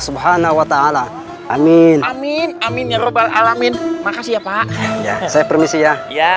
subhanahu wa ta'ala amin amin amin ya robbal alamin makasih ya pak saya permisi ya ya